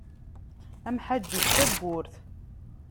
Amḥaddi d tabburt.